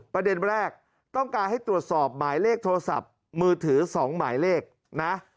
ประเด็นแรกต้องการให้ตรวจสอบหมายเลขโทรศัพท์มือถือ๒หมายเลขนะ